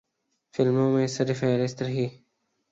فلموں میں سرِ فہرست رہی۔